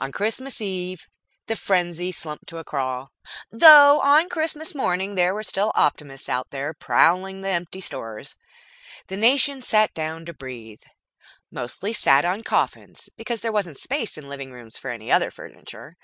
On Christmas Eve the frenzy slumped to a crawl, though on Christmas morning there were still optimists out prowling the empty stores. The nation sat down to breathe. Mostly it sat on coffins, because there wasn't space in the living rooms for any other furniture.